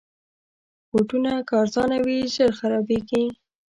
بوټونه که ارزانه وي، ژر خرابیږي.